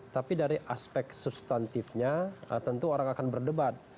tapi dari aspek substantifnya tentu orang akan berdebat